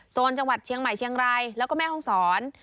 โซนจังหวัดเชียงใหม่เชียงรายแล้วก็แม่ห้องศร